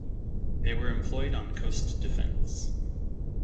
They were employed on coast defence.